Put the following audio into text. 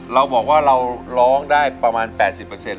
เราบอกว่าเราร้องได้ประมาณ๘๐เปอร์เซ็นต์